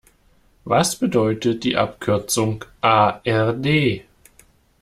Was bedeutet die Abkürzung A-R-D?